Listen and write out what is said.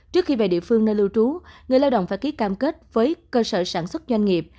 trước khi về địa phương nơi lưu trú người lao động phải ký cam kết với cơ sở sản xuất doanh nghiệp